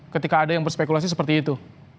ketika ada yang berspekulasi seperti itu